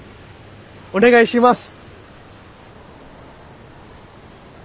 お願いします！